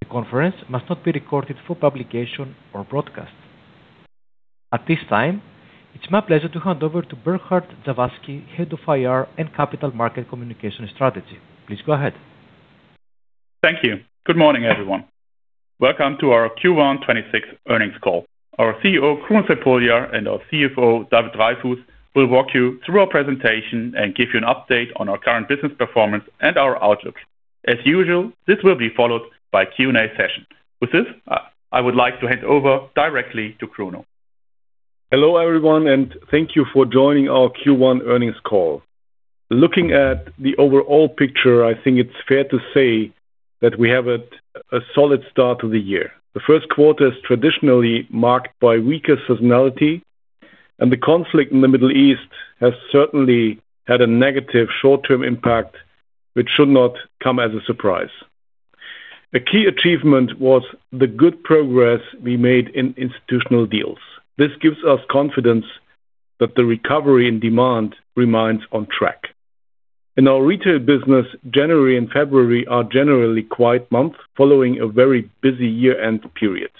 At this time, it's my pleasure to hand over to Burkhard Sawazki, Head of IR and Capital Market Communication and Strategy. Please go ahead. Thank you. Good morning, everyone. Welcome to our Q1 2026 earnings call. Our CEO, Kruno Crepulja, and our CFO, David Dreyfus, will walk you through our presentation and give you an update on our current business performance and our outlook. As usual, this will be followed by Q&A session. With this, I would like to hand over directly to Kruno. Hello, everyone and thank you for joining our Q1 earnings call. Looking at the overall picture, I think it is fair to say that we have a solid start to the year. The first quarter is traditionally marked by weaker seasonality and the conflict in the Middle East has certainly had a negative short-term impact, which should not come as a surprise. A key achievement was the good progress we made in institutional deals. This gives us confidence that the recovery and demand remains on track. In our retail business, January and February are generally quiet months following a very busy year-end period.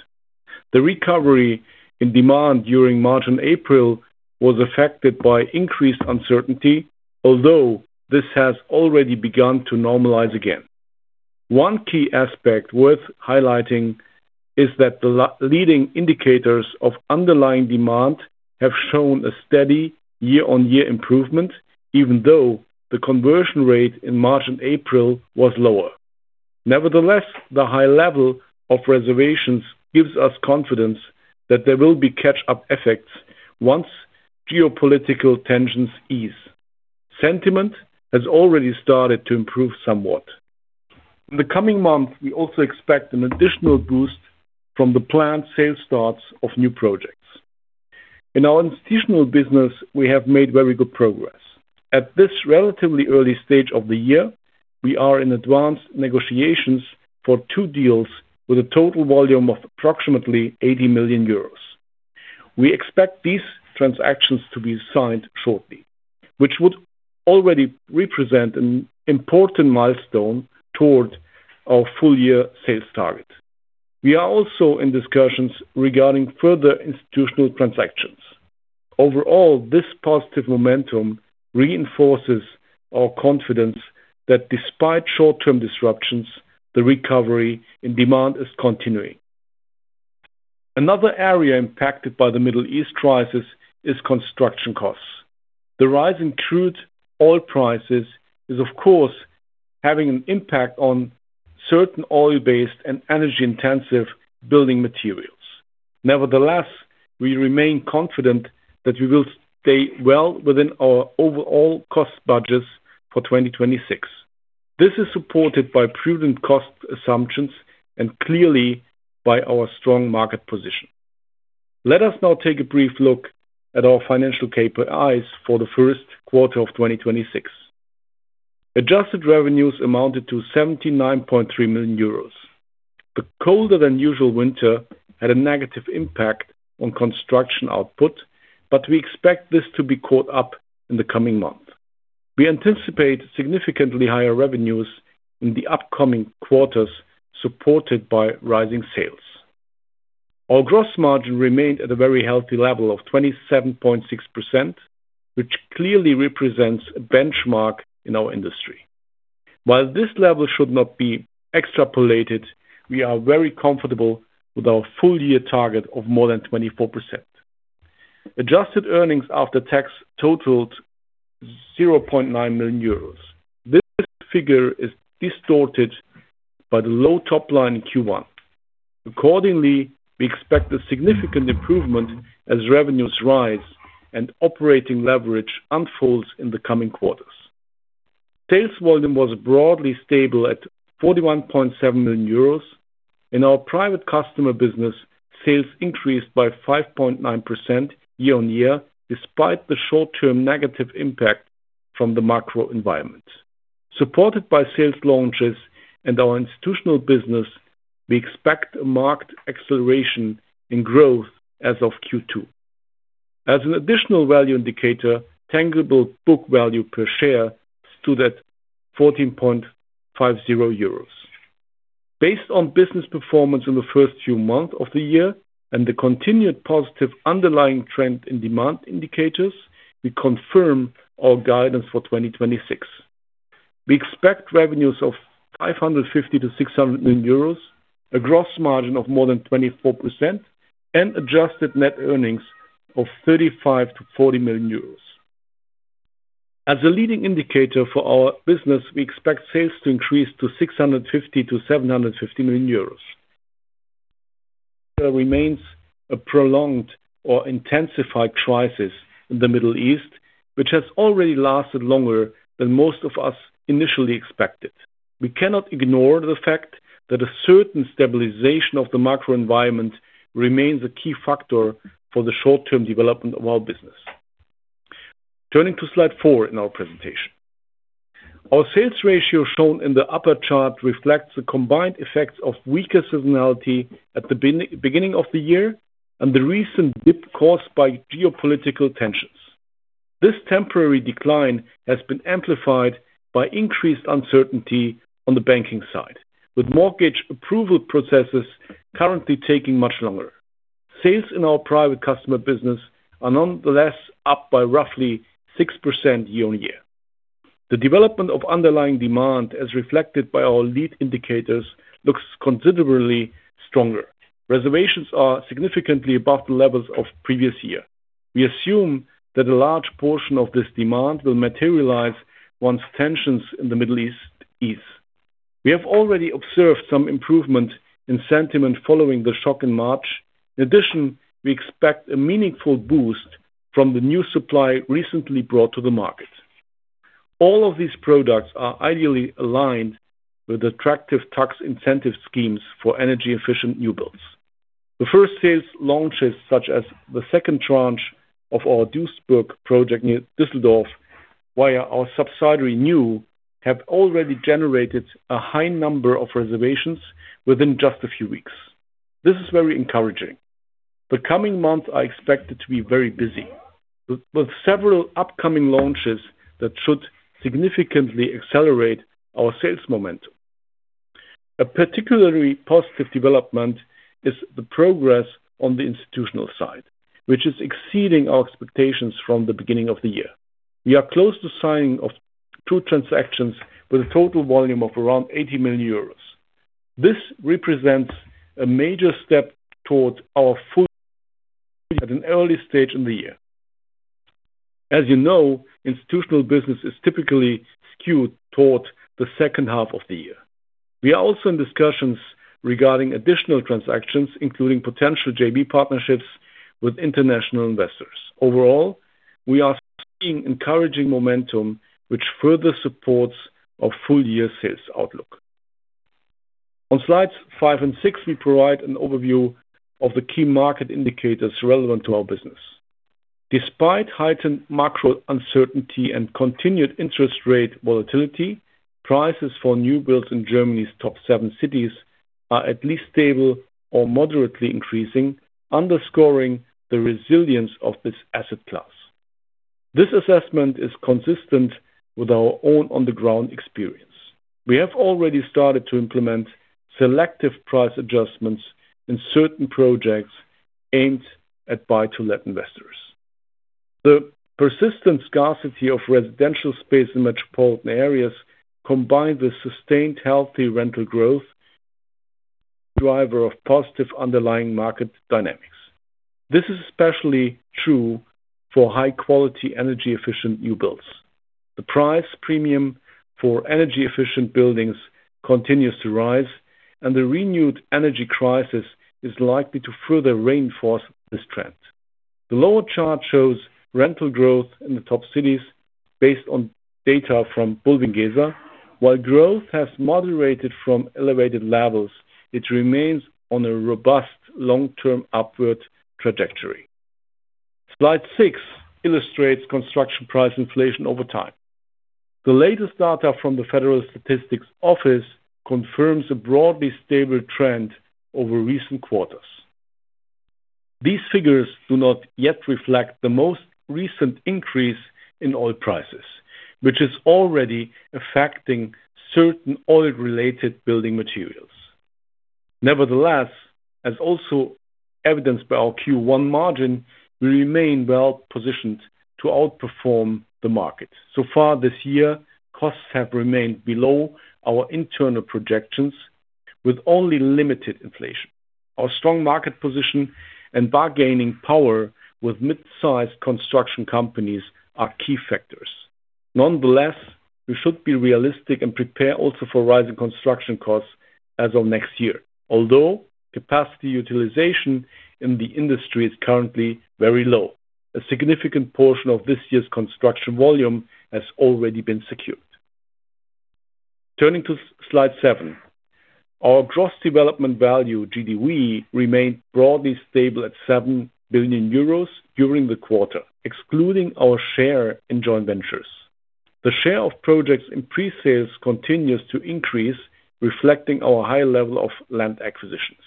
The recovery in demand during March and April was affected by increased uncertainty, although this has already begun to normalize again. One key aspect worth highlighting is that the leading indicators of underlying demand have shown a steady year-on-year improvement, even though the conversion rate in March and April was lower. Neverthless, the high level of reservations gives us confidence that there will be catch-up effects once geopolitical tensions ease. Sentiment has already started to improve somewhat. In the coming months, we also expect an additional boost from the planned sales starts of new projects. In our institutional business, we have made very good progress. At this relatively early stage of the year, we are in advanced negotiations for two deals with a total volume of approximately 80 million euros. We expect these transactions to be signed shortly, which would already represent an important milestone toward our full-year sales target. We are also in discussions regarding further institutional transactions. Overall, this positive momentum reinforces our confidence that despite short-term disruptions, the recovery and demand is continuing. Another area impacted by the Middle East crisis is construction costs. The rise in crude oil prices is, of course, having an impact on certain oil-based and energy-intensive building materials. Nevertheless, we remain confident that we will stay well within our overall cost budgets for 2026. This is supported by prudent cost assumptions and clearly by our strong market position. Let us now take a brief look at our financial KPIs for the first quarter of 2026. Adjusted revenues amounted to 79.3 million euros. The colder than usual winter had a negative impact on construction output, but we expect this to be caught up in the coming month. We anticipate significantly higher revenues in the upcoming quarters, supported by rising sales. Our gross margin remained at a very healthy level of 27.6%, which clearly represents a benchmark in our industry. While this level should not be extrapolated, we are very comfortable with our full-year target of more than 24%. Adjusted earnings after tax totaled 0.9 million euros. This figure is distorted by the low top line in Q1. Accordingly, we expect a significant improvement as revenues rise and operating leverage unfolds in the coming quarters. Sales volume was broadly stable at 41.7 million euros. In our private customer business, sales increased by 5.9% year-on-year, despite the short-term negative impact from the macro environment. Supported by sales launches and our institutional business, we expect a marked acceleration in growth as of Q2. As an additional value indicator, tangible book value per share stood at 14.50 euros. Based on business performance in the first few months of the year and the continued positive underlying trend in demand indicators, we confirm our guidance for 2026. We expect revenues of 550 million-600 million euros, a gross margin of more than 24%, and adjusted net earnings of 35 million-40 million euros. As a leading indicator for our business, we expect sales to increase to 650 million-750 million euros. There remains a prolonged or intensified crisis in the Middle East, which has already lasted longer than most of us initially expected. We cannot ignore the fact that a certain stabilization of the macro environment remains a key factor for the short-term development of our business. Turning to slide four in our presentation. Our sales ratio shown in the upper chart reflects the combined effects of weaker seasonality at the beginning of the year and the recent dip caused by geopolitical tensions. This temporary decline has been amplified by increased uncertainty on the banking side, with mortgage approval processes currently taking much longer. Sales in our private customer business are nonetheless up by roughly 6% year-on-year. The development of underlying demand, as reflected by our lead indicators, looks considerably stronger. Reservations are significantly above the levels of previous year. We assume that a large portion of this demand will materialize once tensions in the Middle East ease. We have already observed some improvement in sentiment following the shock in March. In addition, we expect a meaningful boost from the new supply recently brought to the market. All of these products are ideally aligned with attractive tax incentive schemes for energy-efficient new builds. The first sales launches, such as the second tranche of our Duisburg project near Düsseldorf, via our subsidiary, nyoo, have already generated a high number of reservations within just a few weeks. This is very encouraging. The coming months are expected to be very busy, with several upcoming launches that should significantly accelerate our sales momentum. A particularly positive development is the progress on the institutional side, which is exceeding our expectations from the beginning of the year. We are close to signing of two transactions with a total volume of around 80 million euros. This represents a major step towards our full early stage in the year. As you know, institutional business is typically skewed towards the second half of the year. We are also in discussions regarding additional transactions, including potential JV partnerships with international investors. Overall, we are seeing encouraging momentum which further supports our full-year sales outlook. On slides five and six, we provide an overview of the key market indicators relevant to our business. Despite heightened macro uncertainty and continued interest rate volatility, prices for new builds in Germany's top seven cities are at least stable or moderately increasing, underscoring the resilience of this asset class. This assessment is consistent with our own on-the-ground experience. We have already started to implement selective price adjustments in certain projects aimed at buy-to-let investors. The persistent scarcity of residential space in metropolitan areas, combined with sustained healthy rental growth, driver of positive underlying market dynamics. This is especially true for high-quality energy-efficient new builds. The price premium for energy-efficient buildings continues to rise, and the renewed energy crisis is likely to further reinforce this trend. The lower chart shows rental growth in the top cities based on data from bulwiengesa. While growth has moderated from elevated levels, it remains on a robust long-term upward trajectory. Slide six illustrates construction price inflation over time. The latest data from the Federal Statistical Office confirms a broadly stable trend over recent quarters. These figures do not yet reflect the most recent increase in oil prices, which is already affecting certain oil-related building materials. Nevertheless, as also evidenced by our Q1 margin, we remain well-positioned to outperform the market. So far this year, costs have remained below our internal projections with only limited inflation. Our strong market position and bargaining power with mid-sized construction companies are key factors. Nonetheless, we should be realistic and prepare also for rising construction costs as of next year. Although capacity utilization in the industry is currently very low, a significant portion of this year's construction volume has already been secured. Turning to slide seven. Our gross development value, GDV, remained broadly stable at 7 billion euros during the quarter, excluding our share in joint ventures. The share of projects in pre-sales continues to increase, reflecting our high level of land acquisitions.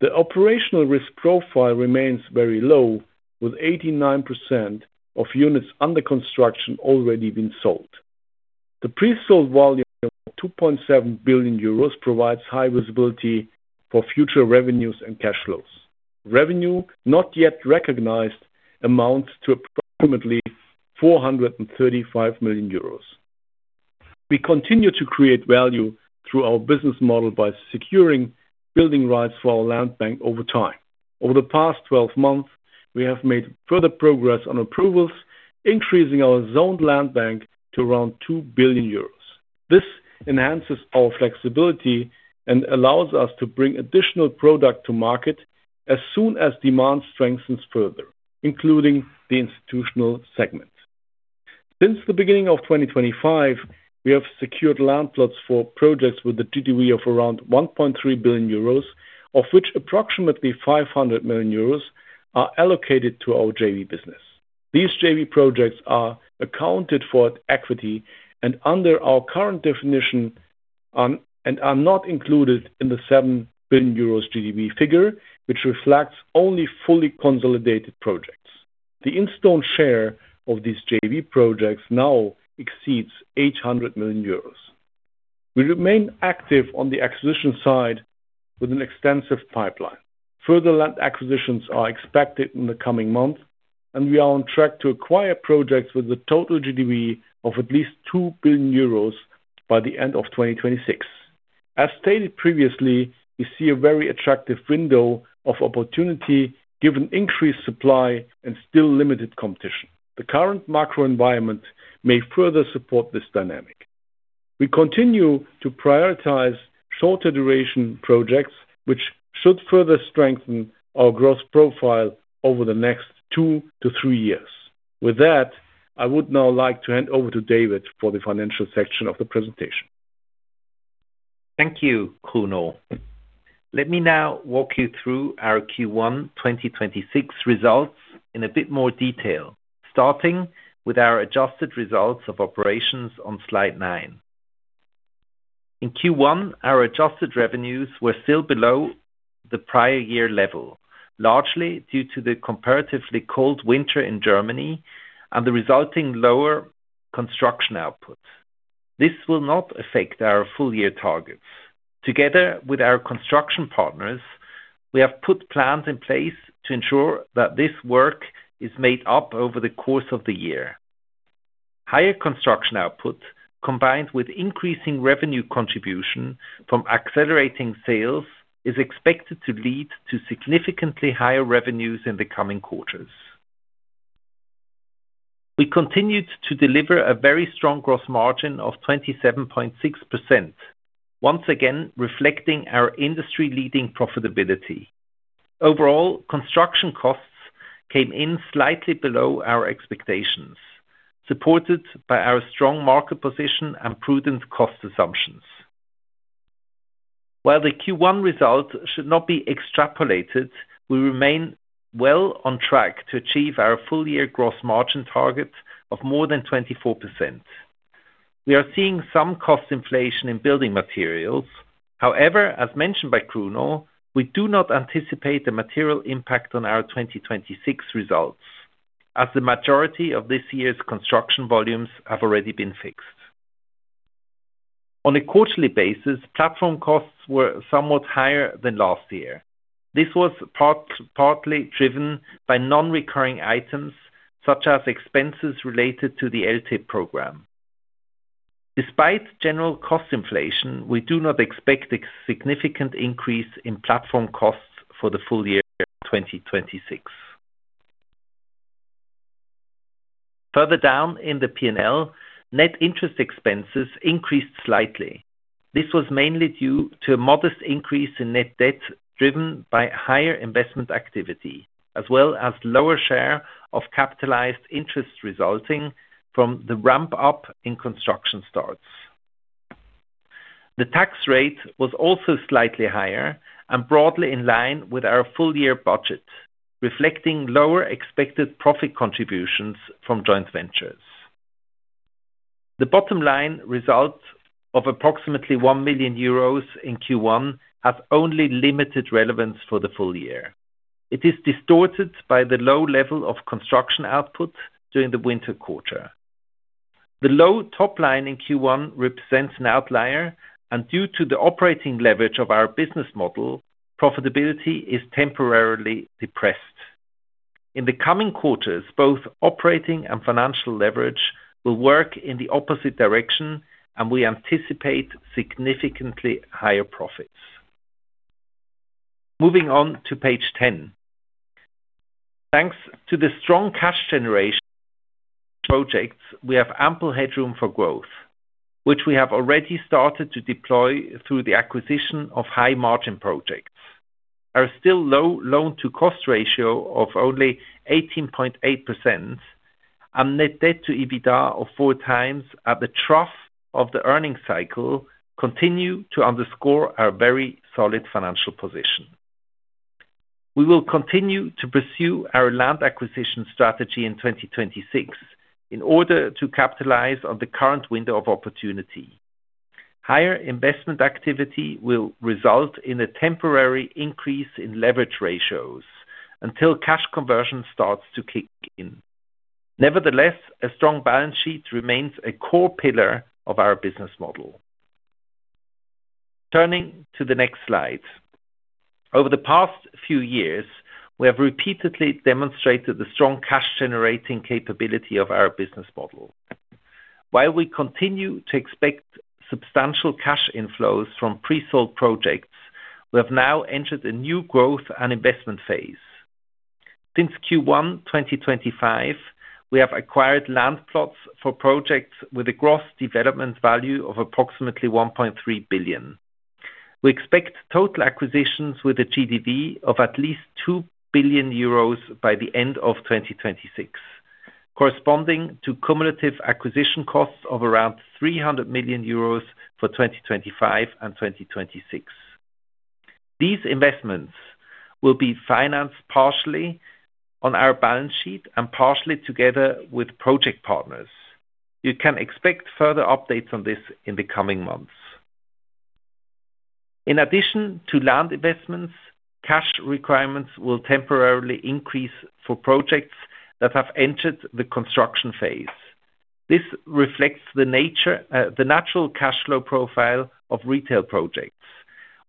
The operational risk profile remains very low, with 89% of units under construction already been sold. The pre-sold volume of 2.7 billion euros provides high visibility for future revenues and cash flows. Revenue not yet recognized amounts to approximately 435 million euros. We continue to create value through our business model by securing building rights for our land bank over time. Over the past 12 months, we have made further progress on approvals, increasing our zoned land bank to around 2 billion euros. This enhances our flexibility and allows us to bring additional product to market as soon as demand strengthens further, including the institutional segment. Since the beginning of 2025, we have secured land plots for projects with a GDV of around 1.3 billion euros, of which approximately 500 million euros are allocated to our JV business. These JV projects are accounted for at equity and under our current definition are not included in the 7 billion euros GDV figure, which reflects only fully consolidated projects. The Instone share of these JV projects now exceeds 800 million euros. We remain active on the acquisition side with an extensive pipeline. Further land acquisitions are expected in the coming months, and we are on track to acquire projects with a total GDV of at least 2 billion euros by the end of 2026. As stated previously, we see a very attractive window of opportunity given increased supply and still limited competition. The current macro environment may further support this dynamic. We continue to prioritize shorter duration projects, which should further strengthen our growth profile over the next two to three years. With that, I would now like to hand over to David for the financial section of the presentation. Thank you, Kruno. Let me now walk you through our Q1 2026 results in a bit more detail, starting with our adjusted results of operations on slide nine. In Q1, our adjusted revenues were still below the prior year level, largely due to the comparatively cold winter in Germany and the resulting lower construction output. This will not affect our full-year targets. Together with our construction partners, we have put plans in place to ensure that this work is made up over the course of the year. Higher construction output, combined with increasing revenue contribution from accelerating sales, is expected to lead to significantly higher revenues in the coming quarters. We continued to deliver a very strong gross margin of 27.6%, once again reflecting our industry-leading profitability. Overall, construction costs came in slightly below our expectations, supported by our strong market position and prudent cost assumptions. While the Q1 results should not be extrapolated, we remain well on track to achieve our full-year gross margin target of more than 24%. We are seeing some cost inflation in building materials, however, as mentioned by Kruno, we do not anticipate a material impact on our 2026 results as the majority of this year's construction volumes have already been fixed. On a quarterly basis, platform costs were somewhat higher than last year. This was partly driven by non-recurring items, such as expenses related to the LTIP program. Despite general cost inflation, we do not expect a significant increase in platform costs for the full year 2026. Further down in the P&L, net interest expenses increased slightly. This was mainly due to a modest increase in net debt driven by higher investment activity, as well as lower share of capitalized interest resulting from the ramp up in construction starts. The tax rate was also slightly higher and broadly in line with our full-year budget, reflecting lower expected profit contributions from joint ventures. The bottom-line results of approximately 1 million euros in Q1 have only limited relevance for the full year. It is distorted by the low level of construction output during the winter quarter. The low top line in Q1 represents an outlier and due to the operating leverage of our business model, profitability is temporarily depressed. In the coming quarters, both operating and financial leverage will work in the opposite direction, and we anticipate significantly higher profits. Moving on to page 10. Thanks to the strong cash generation projects, we have ample headroom for growth, which we have already started to deploy through the acquisition of high margin projects. Our still low loan-to-cost ratio of only 18.8% and net debt-to-EBITDA of 4x at the trough of the earnings cycle continue to underscore our very solid financial position. We will continue to pursue our land acquisition strategy in 2026 in order to capitalize on the current window of opportunity. Higher investment activity will result in a temporary increase in leverage ratios until cash conversion starts to kick in. Nevertheless, a strong balance sheet remains a core pillar of our business model. Turning to the next slide. Over the past few years, we have repeatedly demonstrated the strong cash generating capability of our business model. While we continue to expect substantial cash inflows from pre-sold projects, we have now entered a new growth and investment phase. Since Q1 2025, we have acquired land plots for projects with a gross development value of approximately 1.3 billion. We expect total acquisitions with a GDV of at least 2 billion euros by the end of 2026, corresponding to cumulative acquisition costs of around 300 million euros for 2025 and 2026. These investments will be financed partially on our balance sheet and partially together with project partners. You can expect further updates on this in the coming months. In addition to land investments, cash requirements will temporarily increase for projects that have entered the construction phase. This reflects the natural cash flow profile of retail projects,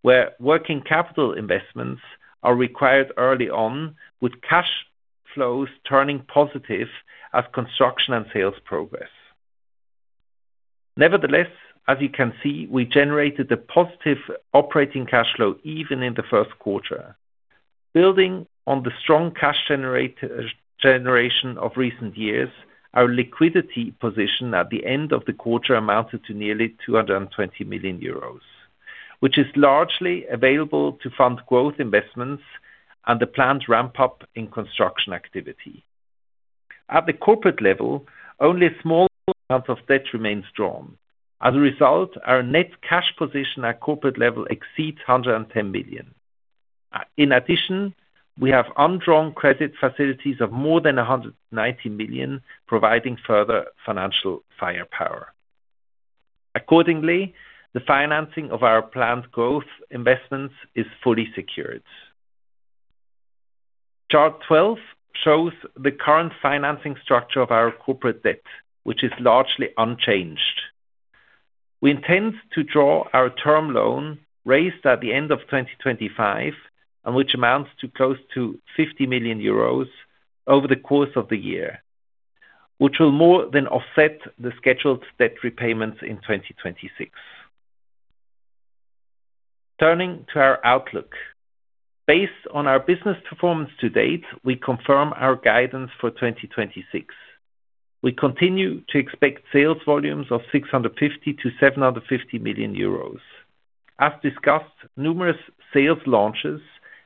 where working capital investments are required early on with cash flows turning positive as construction and sales progress. Nevertheless, as you can see, we generated a positive operating cash flow even in the first quarter. Building on the strong cash generation of recent years, our liquidity position at the end of the quarter amounted to nearly 220 million euros, which is largely available to fund growth investments and the planned ramp up in construction activity. At the corporate level, only small amounts of debt remains drawn. As a result, our net cash position at corporate level exceeds 110 million. In addition, we have undrawn credit facilities of more than 190 million, providing further financial firepower. Accordingly, the financing of our planned growth investments is fully secured. Chart 12 shows the current financing structure of our corporate debt, which is largely unchanged. We intend to draw our term loan raised at the end of 2025, and which amounts to close to 50 million euros over the course of the year, which will more than offset the scheduled debt repayments in 2026. Turning to our outlook. Based on our business performance to date, we confirm our guidance for 2026. We continue to expect sales volumes of 650 million-750 million euros. As discussed, numerous sales launches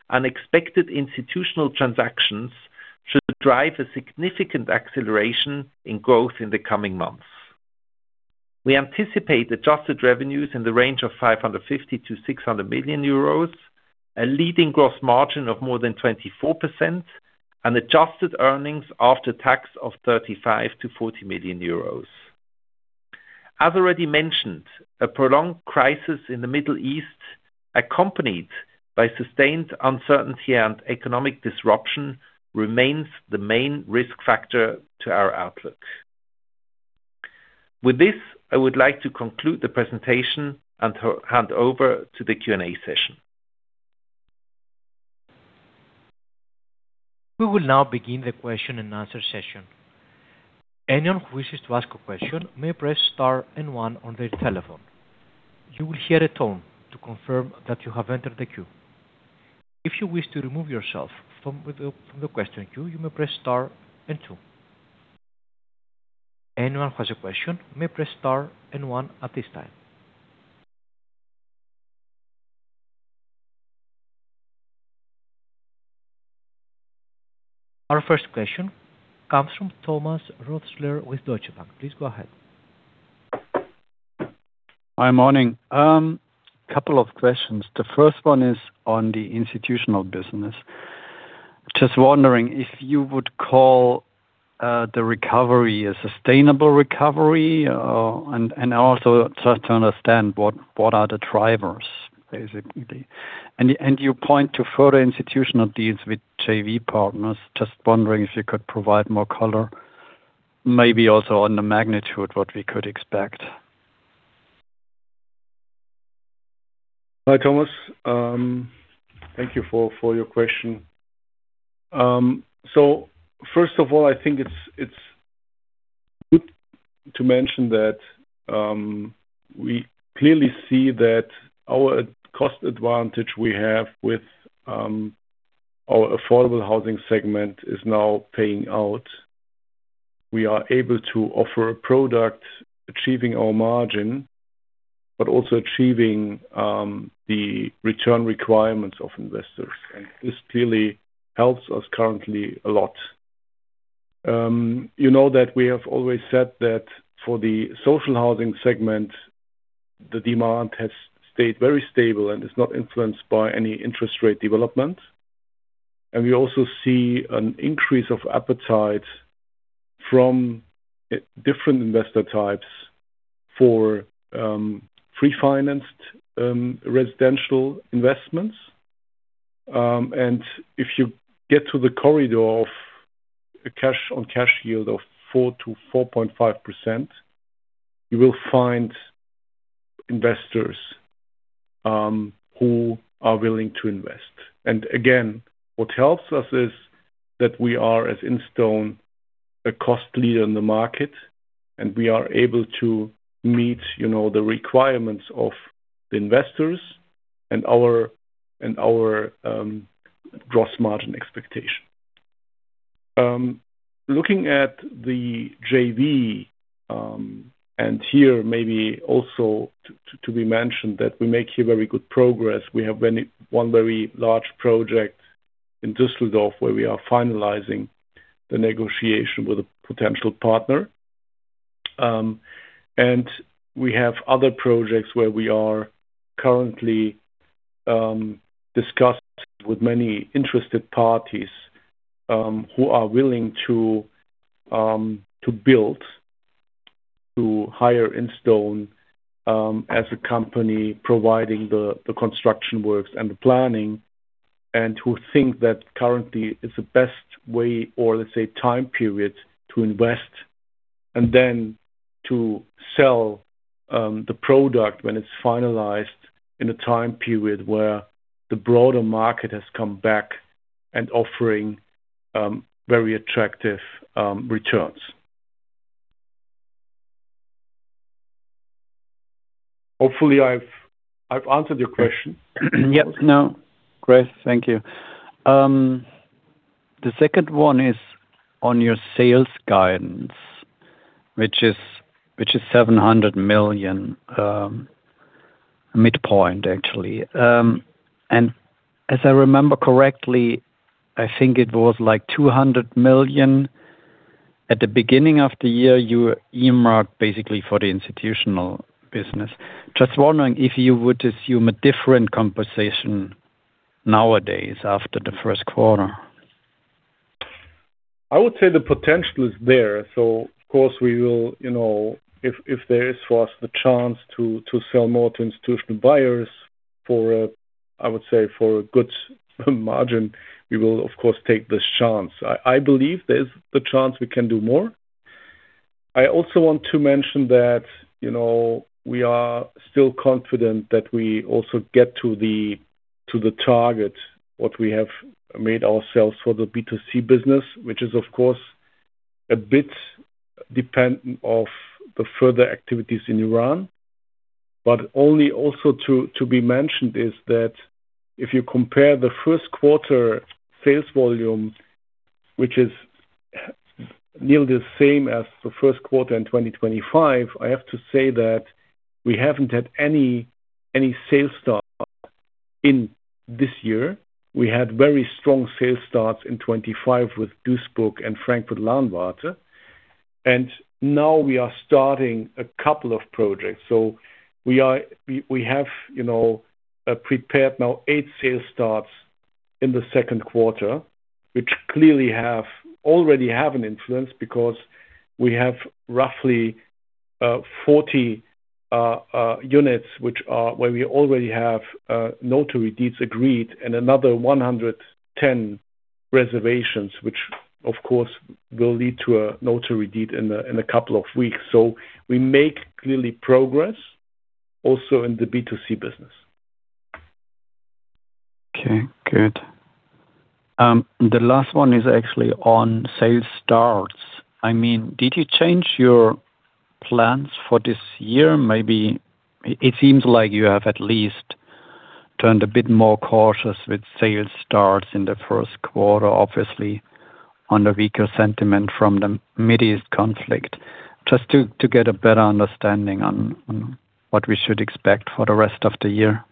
and expected institutional transactions should drive a significant acceleration in growth in the coming months. We anticipate adjusted revenues in the range of 550 million-600 million euros, a leading gross margin of more than 24%, and adjusted earnings after tax of 35 million-40 million euros. As already mentioned, a prolonged crisis in the Middle East, accompanied by sustained uncertainty and economic disruption, remains the main risk factor to our outlook. With this, I would like to conclude the presentation and hand over to the Q&A session. We will now begin the question-and-answer session. Anyone who wishes to ask a question may press star and one on their telephone. You will hear a tone to confirm that you have entered the queue. If you wish to remove yourself from the question queue, you may press star and two. Anyone who has a question may press star and one at this time. Our first question comes from Thomas Rothaeusler with Deutsche Bank. Please go ahead. Hi, morning. Couple of questions. The first one is on the institutional business. Just wondering if you would call the recovery a sustainable recovery, and also, just to understand what are the drivers, basically. And you point to further institutional deals with JV partners, just wondering if you could provide more color, maybe also on the magnitude, what we could expect. Hi, Thomas. Thank you for your question. First of all, I think it's good to mention that we clearly see that our cost advantage we have with our affordable housing segment is now paying out. We are able to offer a product achieving our margin but also achieving the return requirements of investors. This clearly helps us currently a lot. You know that we have always said that for the social housing segment, the demand has stayed very stable and is not influenced by any interest rate development. We also see an increase of appetite from different investor types for pre-financed residential investments. If you get to the corridor of a cash-on-cash yield of 4%-4.5%, you will find investors who are willing to invest. Again, what helps us is that we are, as Instone, a cost leader in the market and we are able to meet, you know, the requirements of the investors and our gross margin expectation. Looking at the JV, here, maybe also to be mentioned that we make very good progress. We have one very large project in Düsseldorf, where we are finalizing the negotiation with a potential partner. And we have other projects where we are currently discussed with many interested parties, who are willing to build, to hire Instone as a company providing the construction works and the planning, and who think that currently is the best way or, let's say, time period to invest and then to sell the product when it's finalized in a time period where the broader market has come back and offering very attractive returns. Hopefully I've answered your question. Yep. No. Great. Thank you. The second one is on your sales guidance, which is 700 million, midpoint actually. As I remember correctly, I think it was like 200 million, at the beginning of the year, you earmarked basically for the institutional business. Just wondering if you would assume a different compensation nowadays after the first quarter. I would say the potential is there. Of course, we will, you know, if there is for us the chance to sell more to institutional buyers for, I would say for a good margin, we will of course take this chance. I believe there's the chance we can do more. I also want to mention that, you know, we are still confident that we also get to the target, what we have made ourselves for the B2C business, which is of course a bit dependent of the further activities in Iran. But only, also to be mentioned is that if you compare the first quarter sales volume, which is nearly the same as the first quarter in 2025, I have to say that we haven't had any sales start in this year. We had very strong sales starts in 2025 with Duisburg and Frankfurt Lahnwarte, and now we are starting a couple of projects. So, we have, you know, prepared now eight sales starts in the second quarter, which clearly already have an influence because we have roughly 40 units where we already have notary deeds agreed and another 110 reservations, which of course will lead to a notary deed in a couple of weeks. So, we make clearly progress also in the B2C business. Okay, good. The last one is actually on sales starts. I mean, did you change your plans for this year? Maybe, it seems like you have at least turned a bit more cautious with sales starts in the first quarter, obviously on the weaker sentiment from the Mideast conflict. Just to get a better understanding on what we should expect for the rest of the year.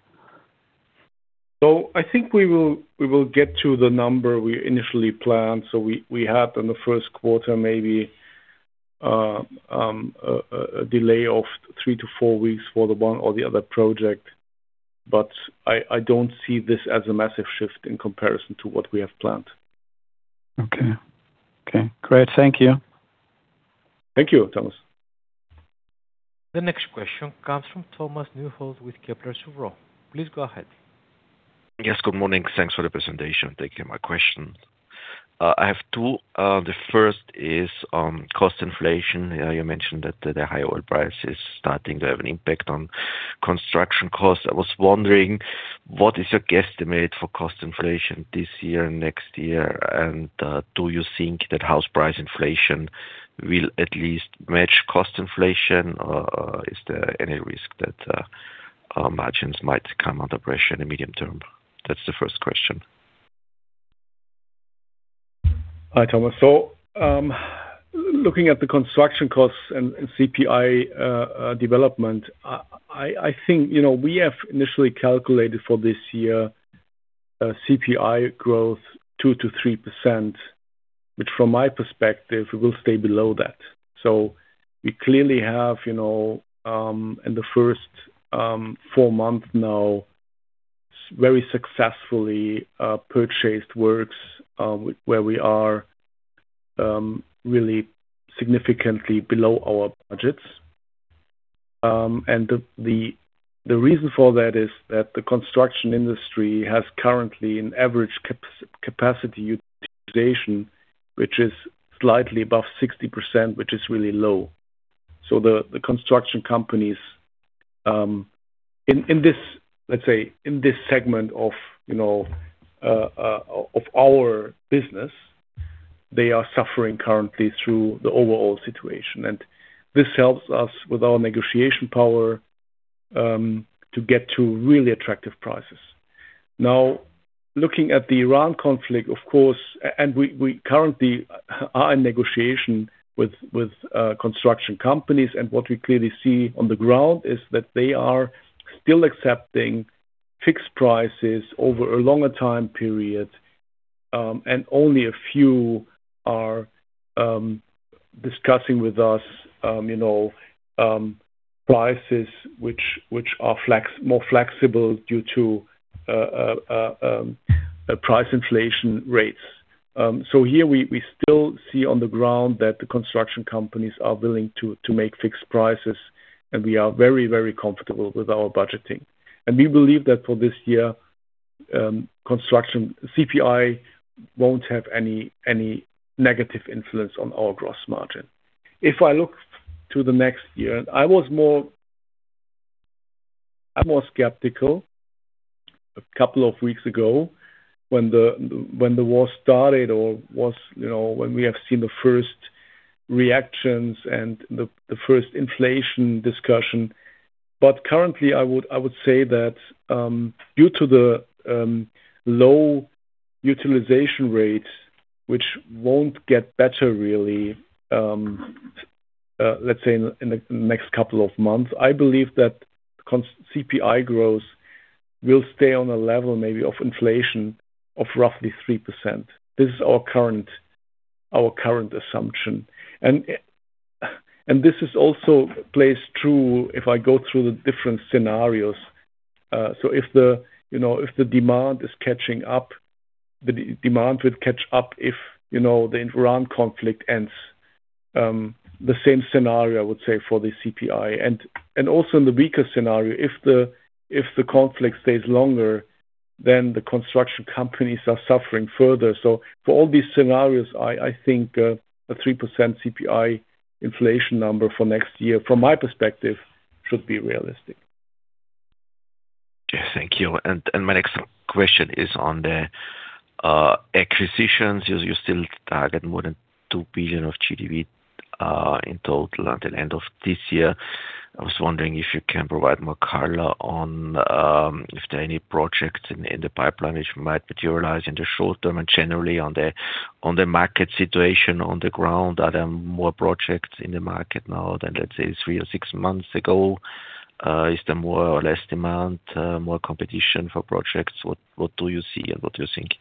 I think we will get to the number we initially planned. We had in the first quarter maybe a delay of three to four weeks for the one or the other project. But I don't see this as a massive shift in comparison to what we have planned. Okay. Okay, great. Thank you. Thank you, Thomas. The next question comes from Thomas Neuhold with Kepler Cheuvreux. Please go ahead. Yes, good morning. Thanks for the presentation. Thank you. My question, I have two. The first is on cost inflation. You mentioned that the high oil price is starting to have an impact on construction costs. I was wondering, what is your guesstimate for cost inflation this year and next year? Do you think that house price inflation will at least match cost inflation, or is there any risk that margins might come under pressure in the medium term? That's the first question. Hi, Thomas. Looking at the construction costs and CPI development, I think, you know, we have initially calculated for this year a CPI growth, 2%-3%. From my perspective, we will stay below that. We clearly have, you know, in the first four months now, very successfully purchased works where we are really significantly below our budgets. And the reason for that is that the construction industry has currently an average capacity utilization, which is slightly above 60%, which is really low. The construction companies in this, let's say, in this segment of, you know, of our business, they are suffering currently through the overall situation, and this helps us with our negotiation power to get to really attractive prices. Now, looking at the Iran conflict, of course, and we currently are in negotiation with construction companies, and what we clearly see on the ground is that they are still accepting fixed prices over a longer time period, and only a few are discussing with us, you know, prices which are more flexible due to price inflation rates. So, here, we still see on the ground that the construction companies are willing to make fixed prices, and we are very, very comfortable with our budgeting. We believe that for this year, construction CPI won't have any negative influence on our gross margin. If I look to the next year, I was more skeptical a couple of weeks ago when the war started or was, you know, when we have seen the first reactions and the first inflation discussion. But currently, I would say that due to the low utilization rate, which won't get better really, let's say in the next couple of months, I believe that CPI growth will stay on a level maybe of inflation of roughly 3%. This is our current assumption. This is also plays true if I go through the different scenarios. If the, you know, demand is catching up, the demand would catch up if, you know, the Iran conflict ends. The same scenario, I would say, for the CPI. Also in the weaker scenario, if the conflict stays longer, then the construction companies are suffering further. For all these scenarios, I think a 3% CPI inflation number for next year, from my perspective, should be realistic. Yeah. Thank you. My next question is on the acquisitions. You still target more than 2 billion of GDV in total at the end of this year. I was wondering if you can provide more color on if there are any projects in the pipeline which might materialize in the short term. Generally, on the market situation on the ground, are there more projects in the market now than, let's say, three or six months ago? Is there more or less demand, more competition for projects? What do you see and what do you think?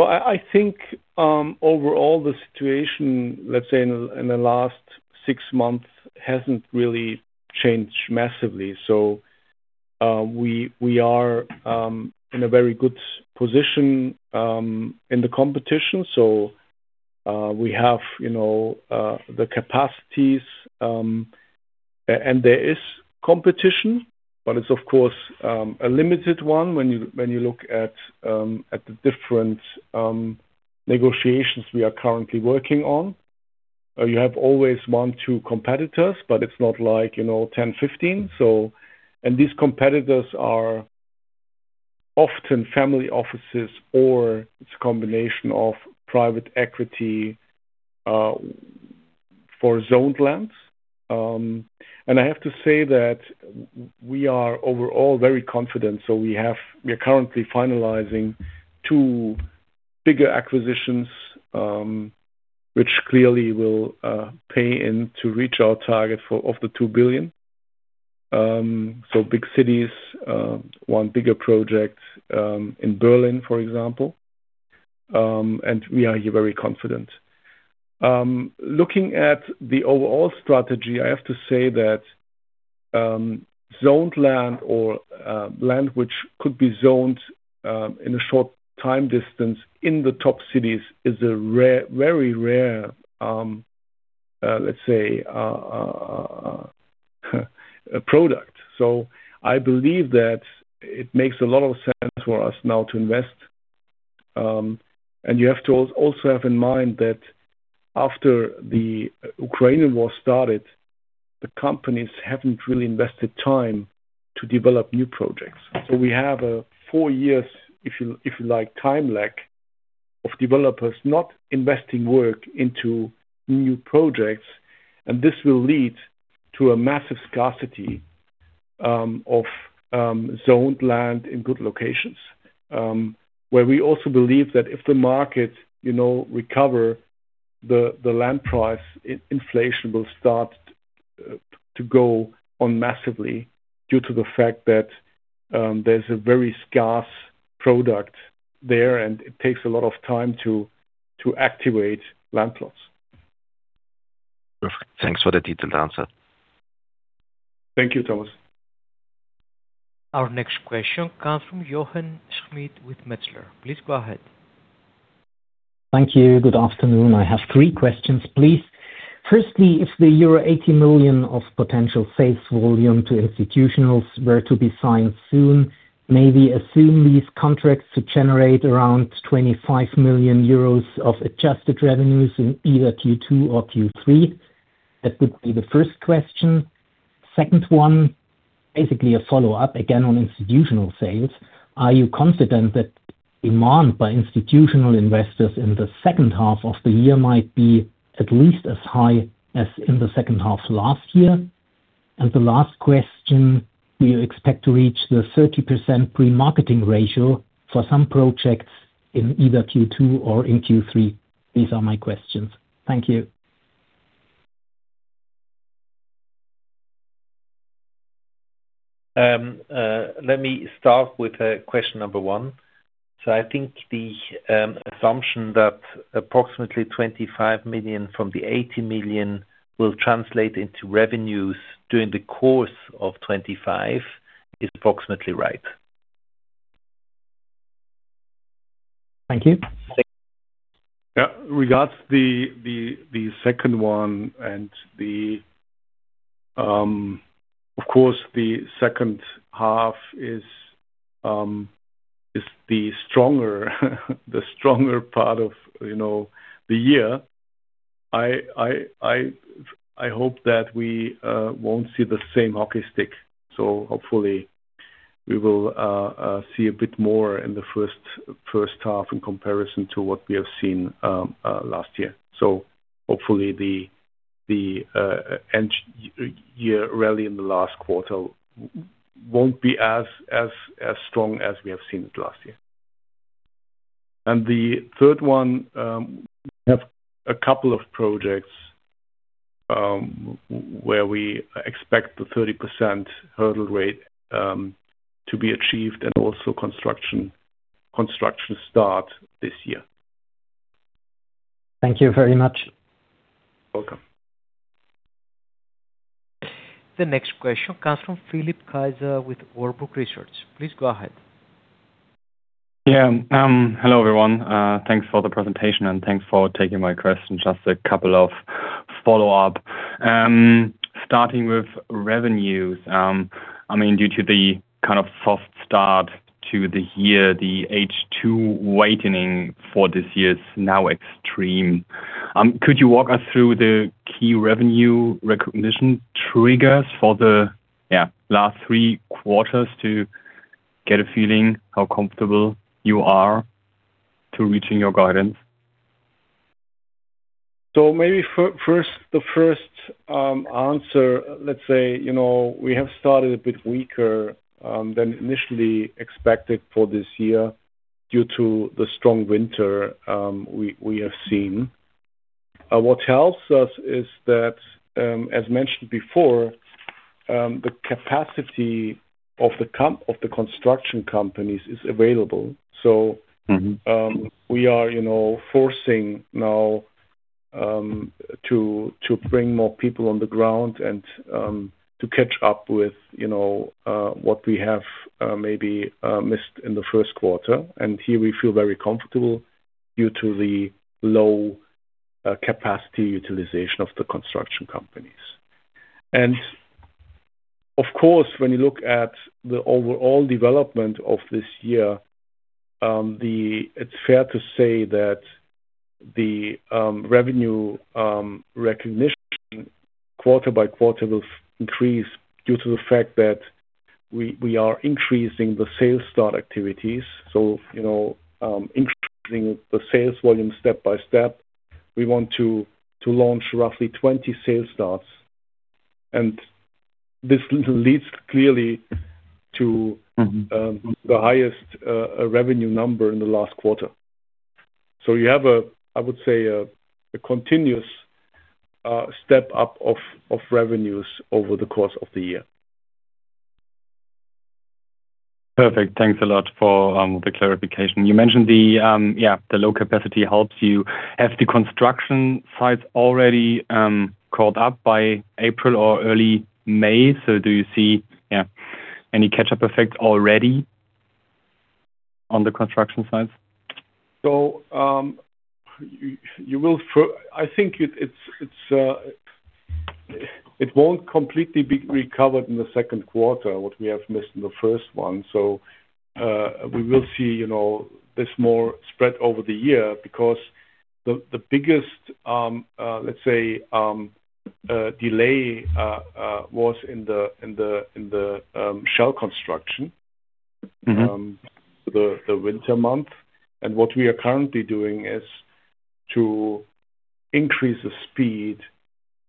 I think, overall, the situation, let's say in the last six months hasn't really changed massively. We are in a very good position in the competition. We have, you know, the capacities, and there is competition, but it's of course a limited one when you look at the different negotiations we are currently working on. You have always one, two competitors, but it's not like, you know, 10, 15, and these competitors are often family offices or it's a combination of private equity for zoned lands. And I have to say that we are overall very confident. We are currently finalizing two bigger acquisitions, which clearly will pay in to reach our target of the 2 billion. So, big cities, one bigger project in Berlin, for example, and we are very confident. Looking at the overall strategy, I have to say that zoned land or land which could be zoned in a short time distance in the top cities is a very rare, let's say, product. So, I believe that it makes a lot of sense for us now to invest. You have to also have in mind that after the Ukrainian war started, the companies haven't really invested time to develop new projects. So, we have a four years, if you like, time lag of developers not investing work into new projects, and this will lead to a massive scarcity of zoned land in good locations. Where we also believe that if the market, you know, recover the land price, inflation will start to go on massively due to the fact that there's a very scarce product there, and it takes a lot of time to activate land plots. Perfect. Thanks for the detailed answer. Thank you, Thomas. Our next question comes from Jochen Schmitt with Metzler. Please go ahead Thank you. Good afternoon. I have three questions, please. Firstly, if the euro 80 million of potential sales volume to institutionals were to be signed soon, may we assume these contracts to generate around 25 million euros of adjusted revenues in either Q2 or Q3? That would be the first question. Second one, basically a follow-up again on institutional sales. Are you confident that demand by institutional investors in the second half of the year might be at least as high as in the second half last year? And the last question, do you expect to reach the 30% pre-marketing ratio for some projects in either Q2 or in Q3? These are my questions. Thank you. Let me start with question number one. I think the assumption that approximately 25 million from the 80 million will translate into revenues during the course of 2025 is approximately right. Thank you. Regards the second one and, of course, the second half is the stronger part of, you know, the year. I hope that we won't see the same hockey stick, so hopefully we will see a bit more in the first half in comparison to what we have seen last year. So, hopefully, the end year rally in the last quarter won't be as, as strong as we have seen it last year. And the third one, we have a couple of projects where we expect the 30% hurdle rate to be achieved and also construction start this year. Thank you very much. Welcome. The next question comes from Philipp Kaiser with Warburg Research. Please go ahead. Hello, everyone. Thanks for the presentation, and thanks for taking my question. Just a couple of follow-up. Starting with revenues, I mean, due to the kind of soft start to the year, the H2 weightening for this year is now extreme. Could you walk us through the key revenue recognition triggers for the, yeah, last three quarters to get a feeling how comfortable you are to reaching your guidance? Maybe first, the first answer, let's say, you know, we have started a bit weaker than initially expected for this year due to the strong winter we have seen. What helps us is that, as mentioned before, the capacity of the construction companies is available. So, we are, you know, forcing now to bring more people on the ground and to catch up with, you know, what we have maybe missed in the first quarter. Here, we feel very comfortable due to the low-capacity utilization of the construction companies. Of course, when you look at the overall development of this year, it's fair to say that the revenue recognition quarter-by-quarter will increase due to the fact that we are increasing the sales start activities. So, you know, increasing the sales volume step by step, we want to launch roughly 20 sales starts, and this leads clearly to the highest revenue number in the last quarter. So, you have a, I would say, a continuous step up of revenues over the course of the year. Perfect. Thanks a lot for the clarification. You mentioned the low capacity helps you. Have the construction sites already caught up by April or early May? Do you see any catch-up effect already on the construction sites? I think it's, it won't completely be recovered in the second quarter what we have missed in the first one. So, we will see, you know, this more spread over the year because the biggest, let's say, delay was in the shell construction, the winter month. And what we are currently doing is to increase the speed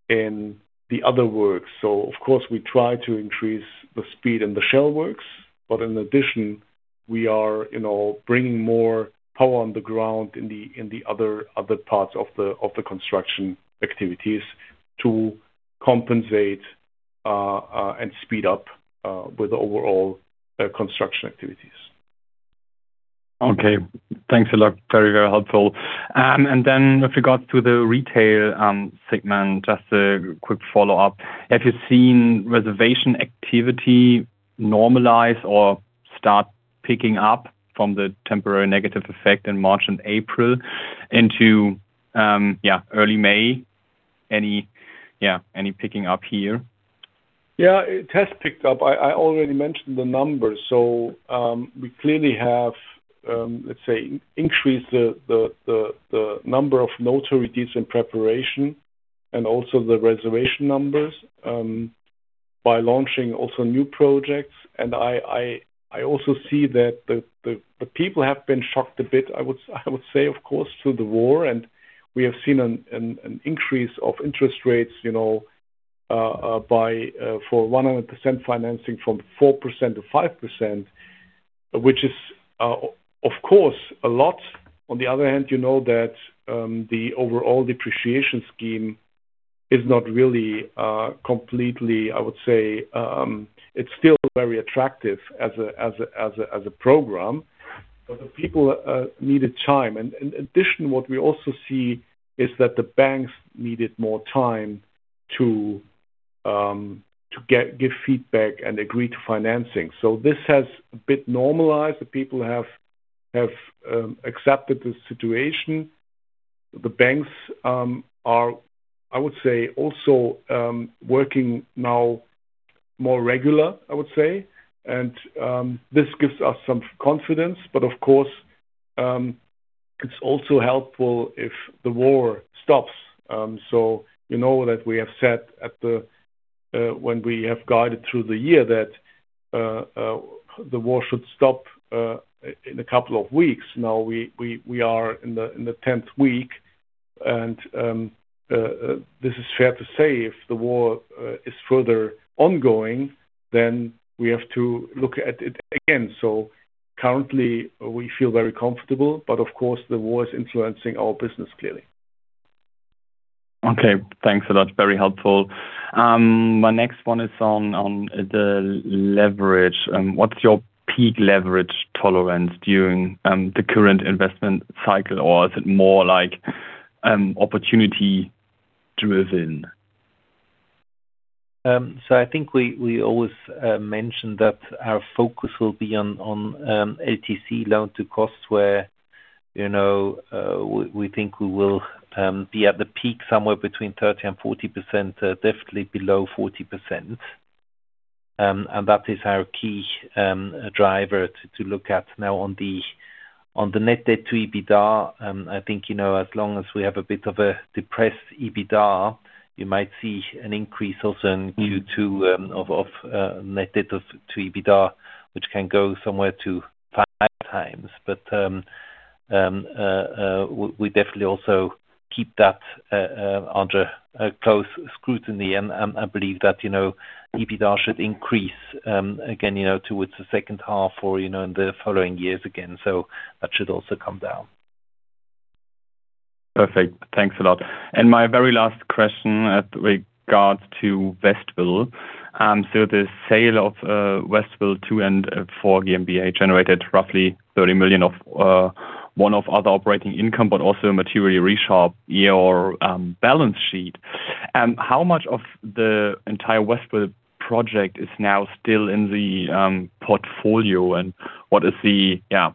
in the other works. Of course, we try to increase the speed in the shell works, but in addition, we are, you know, bringing more power on the ground in the other parts of the construction activities to compensate and speed up with overall construction activities. Okay. Thanks a lot, very helpful. Then with regards to the retail segment, just a quick follow-up. Have you seen reservation activity normalize or start picking up from the temporary negative effect in March and April into, yeah, early May? Any, yeah, picking up here? Yeah, it has picked up. I already mentioned the numbers, so, we clearly have, let's say, increase the number of notaries in preparation and also the reservation numbers by launching also new projects. I also see that the people have been shocked a bit, I would say, of course, through the war, and we have seen an increase of interest rates, you know, by for 100% financing from 4% to 5%, which is of course a lot. On the other hand, you know that the overall depreciation scheme is not really completely, I would say, it's still very attractive as a program, but the people needed time. In addition, what we also see is that the banks needed more time to give feedback and agree to financing. So, this has a bit normalized, the people have accepted the situation, the banks are, I would say, also working now more regular, I would say. And this gives us some confidence, but of course, it's also helpful if the war stops. You know that we have said at the, when we have guided through the year that the war should stop in a couple of weeks. Now, we are in the 10th week, and this is fair to say, if the war is further ongoing, then we have to look at it again. Currently we feel very comfortable, but of course, the war is influencing our business clearly. Okay. Thanks a lot, very helpful. My next one is on the leverage. What's your peak leverage tolerance during the current investment cycle? Or is it more like opportunity-driven? I think, we always mention that our focus will be on LTC, loan-to-cost, where, you know, we think we will be at the peak somewhere between 30% and 40%, definitely below 40%. That is our key driver to look at. Now, on the net debt-to-EBITDA, I think, you know, as long as we have a bit of a depressed EBITDA, you might see an increase also in Q2 of net debt-to-EBITDA, which can go somewhere to 5x. But we definitely also keep that under close scrutiny, and I believe that, you know, EBITDA should increase again, you know, towards the second half or, you know, in the following years again. So, that should also come down. Perfect. Thanks a lot. My very last question regards to Westville. The sale of Westville 2 and 4 GmbH generated roughly 30 million of one-off other operating income, but also materially reshaped your balance sheet. How much of the entire Westville project is now still in the portfolio, and what is the, yeah,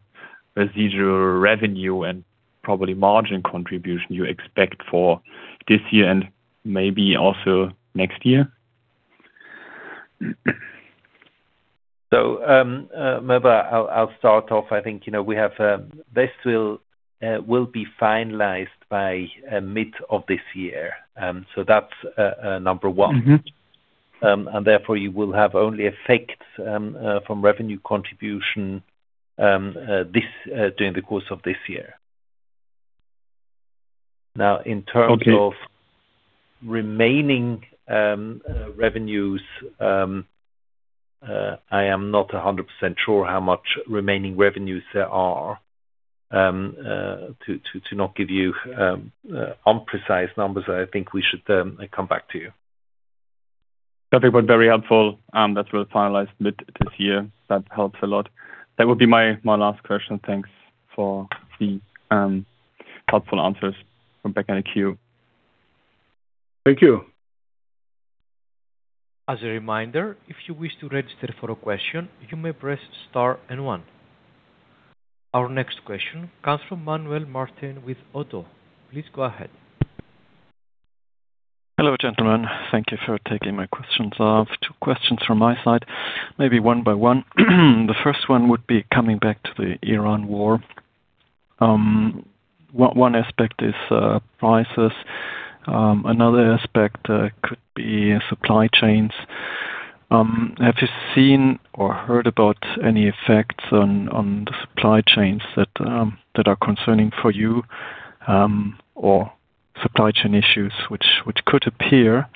residual revenue and probably margin contribution you expect for this year and maybe also next year? Maybe I'll start off. I think, you know, we have, Westville will be finalized by mid of this year, so that's number one. Therefore, you will have only effects from revenue contribution this, during the course of this year. Okay. Now, in terms of remaining, revenues, I am not 100% sure how much remaining revenues there are. To not give you unprecise numbers, I think we should come back to you. That'd be very helpful, that will finalize mid this year. That helps a lot. That would be my last question. Thanks for the helpful answers. I'll go back in the queue. Thank you. As a reminder, if you wish to register for a question, you may press star and one. Our next question comes from Manuel Martin with ODDO. Please go ahead. Hello, gentlemen. Thank you for taking my questions. I have two questions from my side, maybe one by one. The first one would be coming back to the Iran war. One aspect is prices, another aspect could be supply chains. Have you seen or heard about any effects on the supply chains that are concerning for you, or supply chain issues which could appear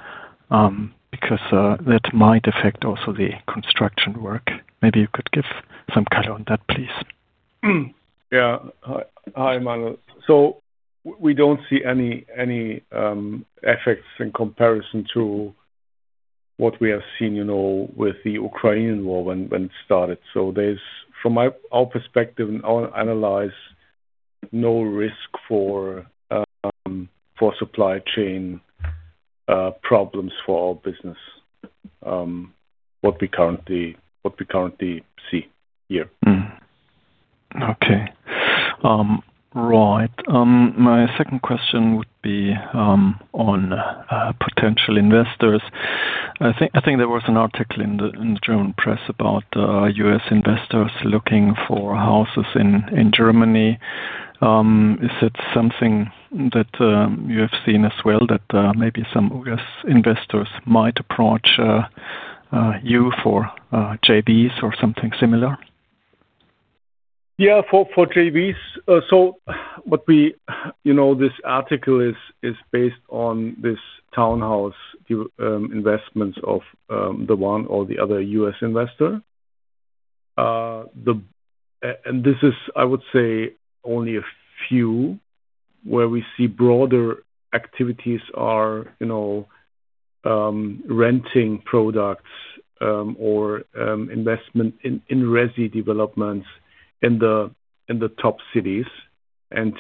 because that might affect also the construction work? Maybe you could give some color on that, please. Hi, Manuel. We don't see any effects in comparison to what we have seen, you know, with the Ukrainian war when it started. So, there's, from our perspective and our analyze, no risk for supply chain problems for our business, what we currently see here. Okay. Right. My second question would be on potential investors. I think there was an article in the German press about U.S. investors looking for houses in Germany. Is it something that you have seen as well that maybe some U.S. investors might approach you for JVs or something similar? Yeah. For JVs, you know, this article is based on this townhouse investments of the one or the other U.S. investor. This is, I would say, only a few where we see broader activities are, you know, renting products, or investment in resi developments in the top cities. And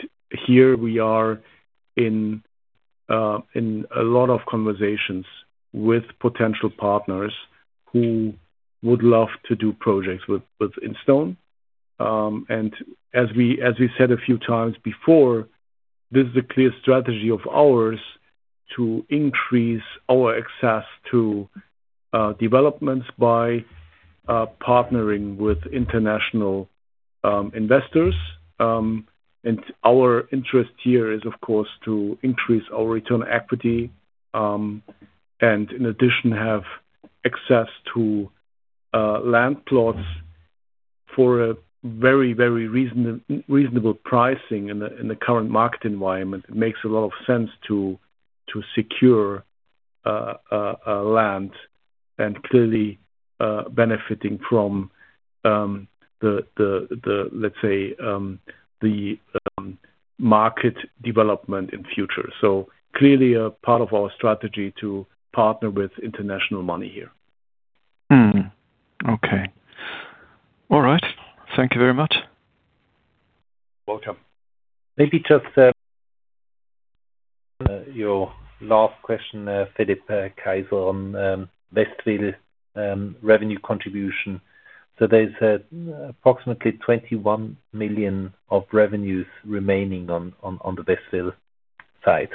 here, we are in a lot of conversations with potential partners who would love to do projects with Instone. As we, as we said a few times before, this is a clear strategy of ours to increase our access to developments by partnering with international investors. Our interest here is of course to increase our return on equity, and in addition have access to land plots for a very, very reasonable pricing in the current market environment. It makes a lot of sense to secure land and clearly benefiting from the, let's say, the market development in future. So, clearly, a part of our strategy to partner with international money here. Okay. All right. Thank you very much. Welcome. Maybe just, your last question, Philipp Kaiser on Westville revenue contribution. There's approximately 21 million of revenues remaining on the Westville side.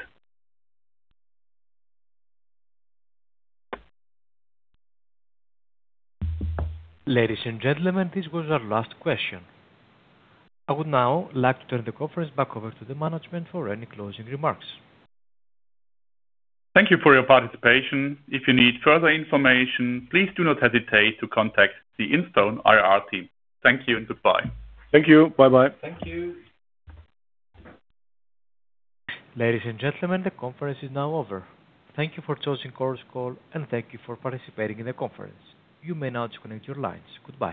Ladies and gentlemen, this was our last question. I would now like to turn the conference back over to the management for any closing remarks. Thank you for your participation. If you need further information, please do not hesitate to contact the Instone IR team. Thank you and goodbye. Thank you. Bye-bye. Thank you. Ladies and gentlemen, the conference is now over. Thank you for choosing Chorus Call and thank you for participating in the conference. You may now disconnect your lines. Goodbye.